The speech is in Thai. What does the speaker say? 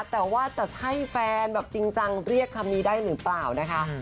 แต่ว่าจะใช่แฟนแบบจริงจังเรียกคำนี้ได้หรือเปล่านะคะ